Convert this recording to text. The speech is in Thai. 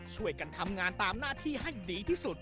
ช่วยกันทำงานตามหน้าที่ให้ดีที่สุด